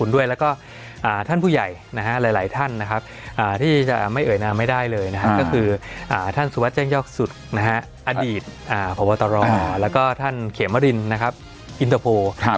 อดีตพตและเคหมรินอินเตอร์โพล